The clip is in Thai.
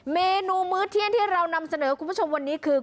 เมนูมื้อเที่ยงที่เรานำเสนอคุณผู้ชมวันนี้คือ